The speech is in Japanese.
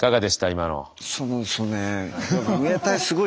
今の。